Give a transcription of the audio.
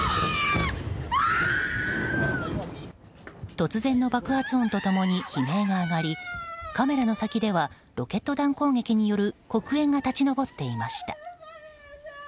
突然の爆発音と共に悲鳴が上がりカメラの先ではロケット弾攻撃による黒煙が立ち上っていました。